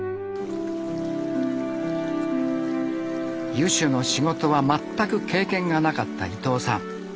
湯主の仕事は全く経験がなかった伊藤さん。